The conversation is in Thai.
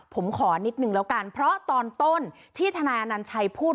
ผมขอนิดนึงแล้วกันเพราะตอนต้นที่ทนายอนัญชัยพูด